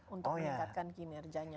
untuk meningkatkan kinerjanya